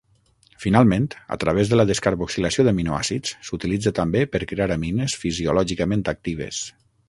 Finalment, a través de la descarboxilació d'aminoàcids, s'utilitza també per crear amines fisiològicament actives.